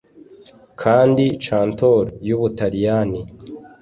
kandi cantor y'ubutaliyani